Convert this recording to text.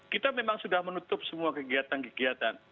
kita memang sudah menutup semua kegiatan kegiatan